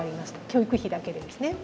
教育費だけでですね。